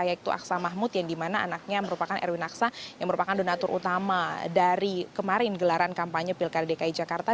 yaitu aksa mahmud yang dimana anaknya merupakan erwin aksa yang merupakan donatur utama dari kemarin gelaran kampanye pilkada dki jakarta